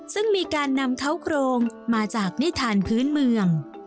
ซึ่งมีการนำเข้าโครงมาจากนิทานพื้นเมือง